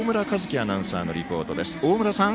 アナウンサーのリポートです。